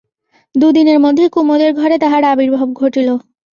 দুদিনের মধ্যে কুমুদের ঘরে তাহার আবির্ভাব ঘটিল।